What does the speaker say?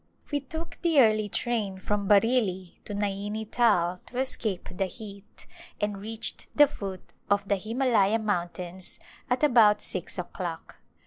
We took the early train from Bareilly to Naini Tal to escape the heat and reached the foot of the Hima laya Mountains at about six o'clock.